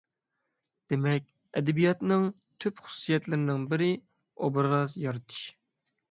دېمەك، ئەدەبىياتنىڭ تۈپ خۇسۇسىيەتلىرىنىڭ بىرى ئوبراز يارىتىش.